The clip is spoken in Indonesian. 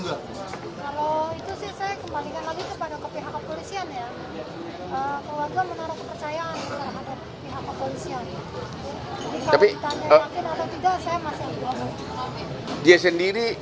kalau ditandai rakin atau tidak saya masih berpikir